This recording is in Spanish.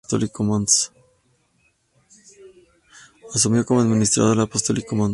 Asumió como Administrador Apostólico mons.